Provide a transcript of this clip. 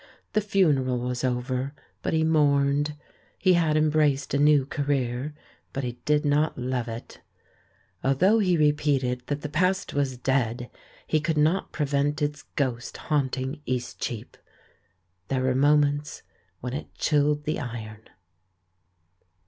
The funeral was over, but he mourned. He had embraced a new career, but he did not love it. Although he repeated that the past was dead, he could not prevent its ghost haunting Eastcheap. There were moments when it chilled the iron.